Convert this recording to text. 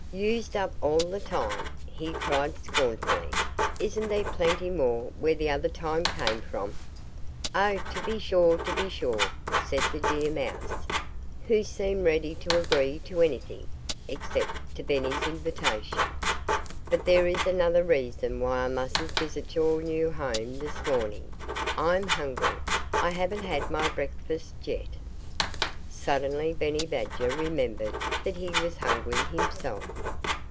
"Used up all the time!" he cried scornfully. "Isn't there plenty more where the other time came from?" "Oh, to be sure to be sure!" said the deer mouse, who seemed ready to agree to anything except to Benny's invitation. "But there is another reason why I mustn't visit your new home this morning: I'm hungry. I haven't had my breakfast yet." Suddenly Benny Badger remembered that he was hungry himself.